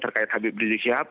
terkait hwp diksyahab